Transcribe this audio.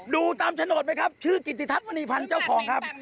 ดูตามโฉนดไหมครับชื่อกิติทัศน์มณีพันธ์เจ้าของครับ